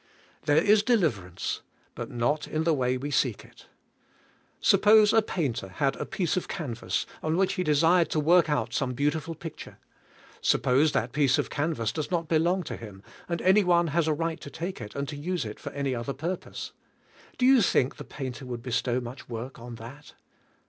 There is deliverance, but not in the way we seek it. Suppose a painter had a piece of canvas, on which he desired to work out some beautiful picture. Suppose that piece of canvas does not belong to him, and any one has a right to take it and to use it for any other purpose; do you think the painter would bestow much work on that?